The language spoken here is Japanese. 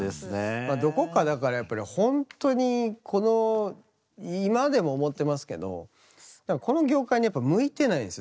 まどこかだからやっぱりほんとにこの今でも思ってますけどこの業界にやっぱ向いてないですよ